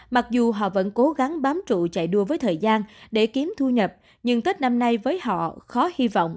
mặc dù họ vẫn cố gắng bám trụ chạy đua với thời gian để kiếm thu nhập nhưng tết năm nay với họ khó hy vọng